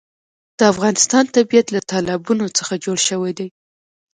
د افغانستان طبیعت له تالابونه څخه جوړ شوی دی.